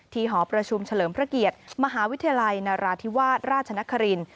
หอประชุมเฉลิมพระเกียรติมหาวิทยาลัยนราธิวาสราชนคริน